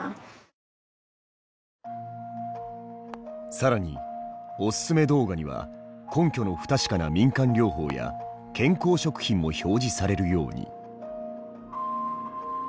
更におすすめ動画には根拠の不確かな民間療法や健康食品も表示されるように。